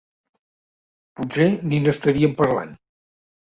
Potser ni n'estarien parlant.